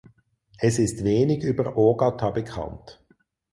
Es ist wenig über Ogata bekannt.